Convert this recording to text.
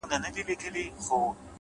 پوهه د شکونو ورېځې لرې کوي,